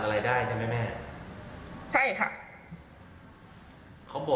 แต่เราก็ไม่รู้ว่าจะยังไงนะคะ